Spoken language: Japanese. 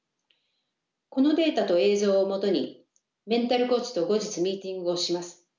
このデータと映像をもとにメンタルコーチと後日ミーティングをします。